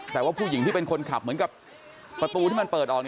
แต่ว่าผู้หญิงที่เป็นคนขับเหมือนกับประตูที่มันเปิดออก